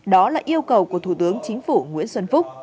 đó là yêu cầu của thủ tướng chính phủ nguyễn xuân phúc